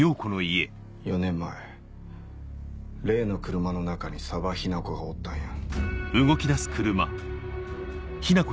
４年前例の車の中に佐羽ヒナコがおったんや。